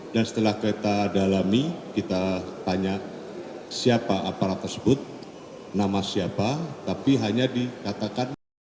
setelah kita dalami kita tanya siapa aparat tersebut nama siapa tapi hanya dikatakan